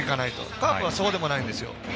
カープはそうでもないんです。